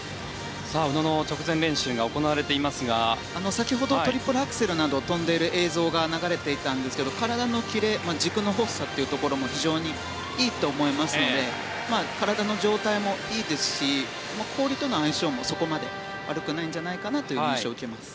宇野の直前練習が行われていますが先ほどトリプルアクセルなどを跳んでいる映像が流れていたんですが体のキレ、軸の豊富さも非常にいいと思いますので体の状態もいいですし氷との相性もそこまで悪くないんじゃないかなという印象を受けます。